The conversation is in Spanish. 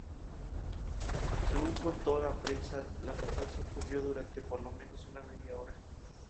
Según contó la prensa la matanza ocurrió durante por lo menos una media hora.